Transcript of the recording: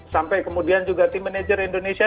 sampai kemudian juga tim manajer indonesia